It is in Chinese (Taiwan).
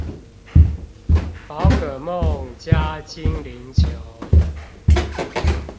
寶可夢加精靈球